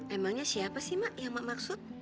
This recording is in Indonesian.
emangnya siapa sih mak yang mak maksud